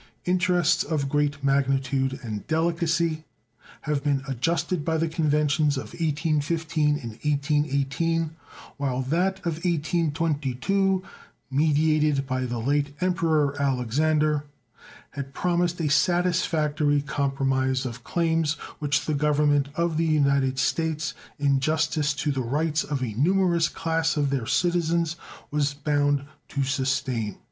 Interests of great magnitude and delicacy had been adjusted by the conventions of 1815 and 1818, while that of 1822, mediated by the late Emperor Alexander, had promised a satisfactory compromise of claims which the Government of the United States, in justice to the rights of a numerous class of their citizens, was bound to sustain.